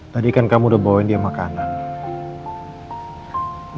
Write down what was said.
tadi kan kamu udah bawain dia makanan